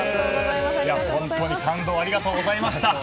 本当に感動をありがとうございました。